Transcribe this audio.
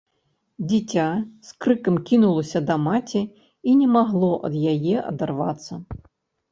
Дзіця з крыкам кінулася да маці і не магло ад яе адарвацца.